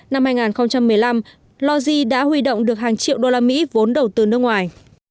năm hai nghìn một mươi năm logi đã huy động được hàng triệu đô la mỹ vốn đầu tư nước ngoài